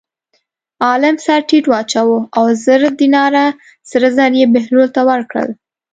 عالم سر ټیټ واچاوه او زر دیناره سره زر یې بهلول ته ورکړل.